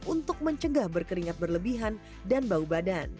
untuk mencegah berkeringat berlebihan dan bau badan